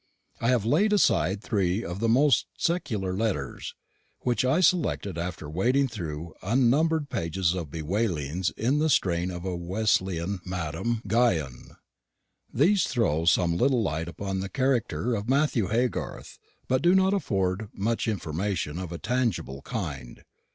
I have laid aside three of the most secular letters, which I selected after wading through unnumbered pages of bewailings in the strain of a Wesleyan Madame Guyon. These throw some little light upon the character of Matthew Haygarth, but do not afford much information of a tangible kind.